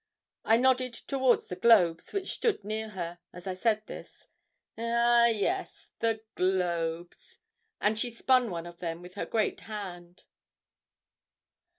I nodded towards the globes, which stood near her, as I said this. 'Oh! yes the globes;' and she spun one of them with her great hand.